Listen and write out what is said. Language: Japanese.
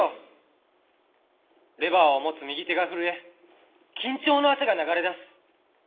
レバーを持つ右手が震え緊張の汗が流れ出す。